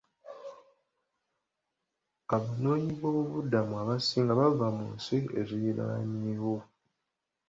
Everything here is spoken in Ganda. Abanoonyiboobubudamu abasinga bava mu nsi ezirinaanyeewo.